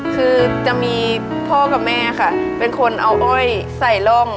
คือจะมีพ่อกับแม่ค่ะเป็นคนเอาอ้อยใส่ร่อง